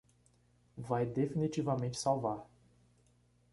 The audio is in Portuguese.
Vai definitivamente salvar